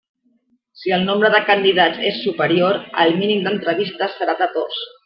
Si el nombre de candidats és superior, el mínim d'entrevistes serà de dos.